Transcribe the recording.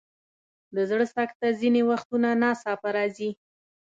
د زړه سکته ځینې وختونه ناڅاپه راځي.